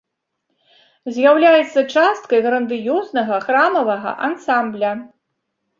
З'яўляецца часткай грандыёзнага храмавага ансамбля.